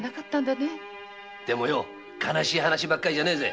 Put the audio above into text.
でも悲しい話ばっかりじゃねえぜ。